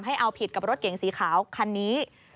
ให้เอาผิดกับรถเก๋งสีขาวคันนี้